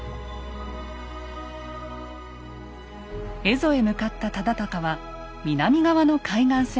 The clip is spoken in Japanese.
蝦夷へ向かった忠敬は南側の海岸線を測量。